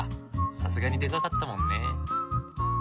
さすがにでかかったもんね。